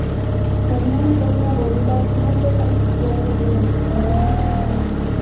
María Antonia Bolívar no fue partidaria de la Independencia.